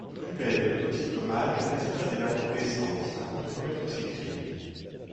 Rubel, toxicomane, respire des vapeurs d'essence avant de commettre ses crimes.